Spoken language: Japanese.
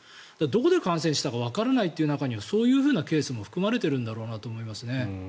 どこで感染したかわからない中にはそういうケースも含まれているんだろうなと思いますね。